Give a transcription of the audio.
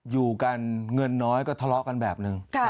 อยู่กันเงินน้อยก็ทะเลาะกันแบบหนึ่ง